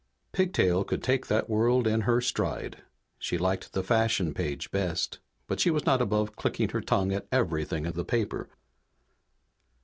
Pigtail could take that world in her stride. She liked the fashion page best, but she was not above clicking her tongue at everything in the paper.